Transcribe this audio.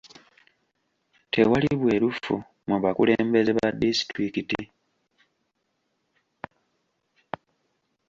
Tewali bwerufu mu bakulembeze ba disitulikiti.